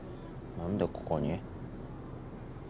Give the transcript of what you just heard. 何でここに。